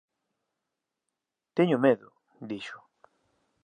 “Teño medo”, dixo.